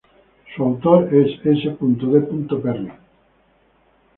Su autor es S. D. Perry.